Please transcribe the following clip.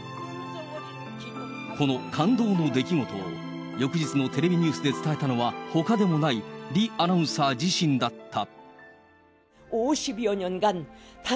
この感動の出来事を、翌日のテレビニュースで伝えたのは、ほかでもない、リアナウンサー自身だった。